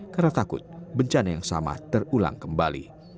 karena takut bencana yang sama terulang kembali